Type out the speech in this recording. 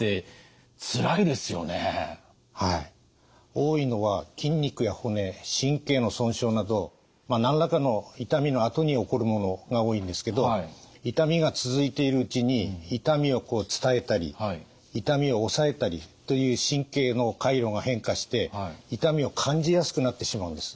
多いのは筋肉や骨神経の損傷など何らかの痛みのあとに起こるものが多いんですけど痛みが続いているうちに痛みを伝えたり痛みを抑えたりという神経の回路が変化して痛みを感じやすくなってしまうんです。